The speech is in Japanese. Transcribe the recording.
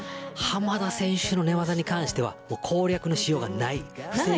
濱田選手の寝技に関しては攻略のしようがないです。